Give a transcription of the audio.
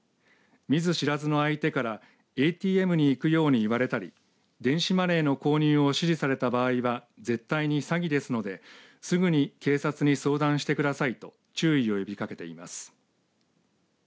見ず知らずの相手からＡＴＭに行くように言われたり電子マネーの購入を指示された場合は絶対に詐欺ですのですぐに警察に相談してくださいと注意を呼びかけています。